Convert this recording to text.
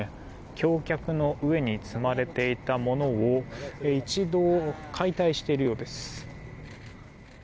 橋脚の上に積まれていたものを一度、解体しているようです。